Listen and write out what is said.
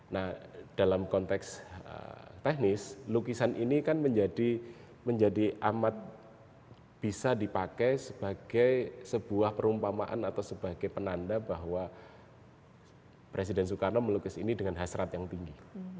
nah dalam konteks teknis lukisan ini kan menjadi amat bisa dipakai sebagai sebuah perumpamaan atau sebagai penanda bahwa presiden soekarno melukis ini dengan hasrat yang tinggi